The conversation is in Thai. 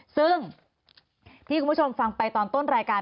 ซึ่งที่คุณผู้ชมฟังไปตอนต้นรายการ